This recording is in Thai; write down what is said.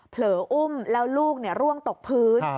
เผลออุ้มแล้วลูกร่วงตกพื้น